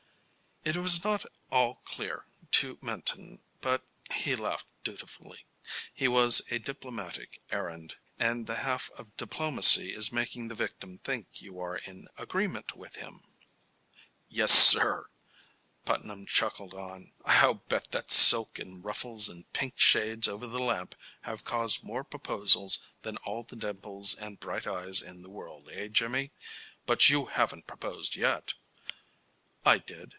It was not all clear to Minton, but he laughed dutifully. His was a diplomatic errand, and the half of diplomacy is making the victim think you are in agreement with him. "Yes, sir," Putnam chuckled on, "I'll bet that silk and ruffles and pink shades over the lamp have caused more proposals than all the dimples and bright eyes in the world. Eh, Jimmy? But you haven't proposed yet?" "I did.